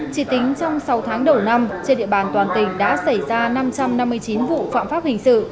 chỉ tính trong sáu tháng đầu năm trên địa bàn toàn tỉnh đã xảy ra năm trăm năm mươi chín vụ phạm pháp hình sự